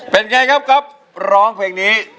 เป็นไงครับก๊อฟร้องเพลงนี้